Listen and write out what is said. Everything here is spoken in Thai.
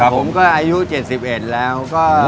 ผมก็อายุ๗๑แล้วก็